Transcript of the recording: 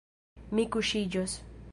Mi kuŝiĝos.